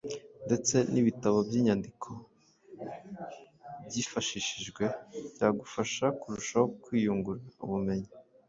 ndetse n’ibitabo n’imyandiko byifashishijwe byagufasha kurushaho kwiyungura ubumenyi.